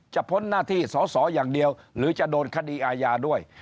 พ้นหน้าที่สอสออย่างเดียวหรือจะโดนคดีอาญาด้วย